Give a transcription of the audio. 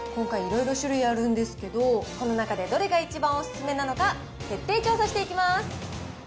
今回いろいろ種類あるんですけど、この中でどれが一番お勧めなのか、徹底調査していきます。